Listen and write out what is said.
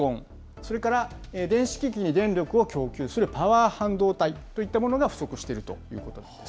それから電子機器に電力を供給するパワー半導体といったものが不足しているということなんです。